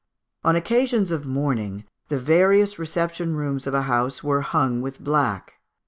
On occasions of mourning, the various reception rooms of a house were hung with black.